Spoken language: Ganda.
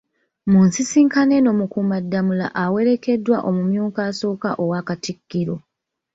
Mu nsisinkano eno Mukuumaddamula awerekeddwa omumyuka asooka owa Katikkiro